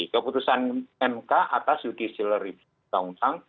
keputusan mk atas judicial review dua ribu sembilan belas